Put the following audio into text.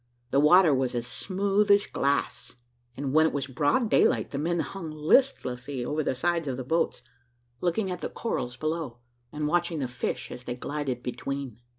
The water was as smooth as glass, and when it was broad daylight, the men hung listlessly over the sides of the boats, looking at the corals below, and watching the fish as they glided between.